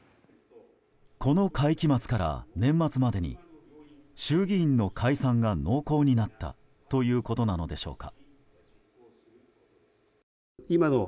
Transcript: この会期末から年末までに衆議院の解散が濃厚になったということなのでしょうか。